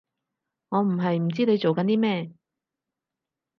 我唔係唔知你做緊啲咩